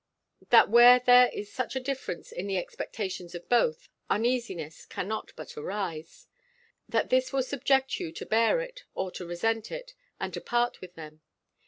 That where there is such a difference in the expectations of both, uneasiness cannot but arise. That this will subject you to bear it, or to resent it, and to part with them.